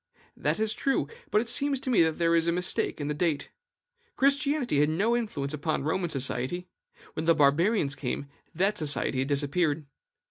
That is true; but it seems to me that there is a mistake in the date. Christianity had no influence upon Roman society; when the Barbarians came, that society had disappeared.